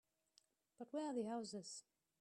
But where are the houses?